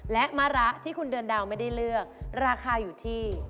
และมะระที่คุณเดือนดาวไม่ได้เลือกราคาอยู่ที่